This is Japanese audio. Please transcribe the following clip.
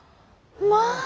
まあ！